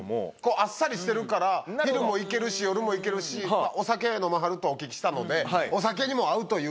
あっさりしてるから昼もいけるし夜もいけるしお酒飲まはるとお聞きしたのでお酒にも合うという意味を込めて。